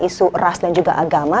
isu ras dan juga agama